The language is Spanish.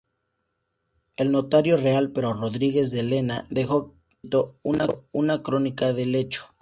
El notario real Pero Rodríguez de Lena dejó por escrito una crónica del hecho.